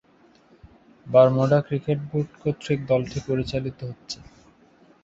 Bermuda cricket board কর্তৃক দলটি পরিচালিত হচ্ছে।